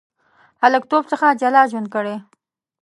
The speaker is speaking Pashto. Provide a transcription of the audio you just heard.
هلکتوب څخه جلا ژوند کړی.